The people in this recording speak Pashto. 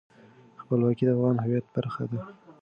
خپلواکي د افغان هویت برخه ده.